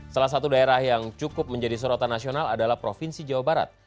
salah satu daerah yang cukup menjadi sorotan nasional adalah provinsi jawa barat